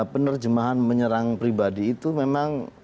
penerjemahan menyerang pribadi itu memang